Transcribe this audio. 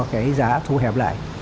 cái giá thu hẹp lại